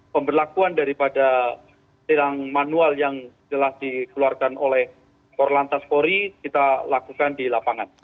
pemberlakuan daripada tilang manual yang telah dikeluarkan oleh korlantas polri kita lakukan di lapangan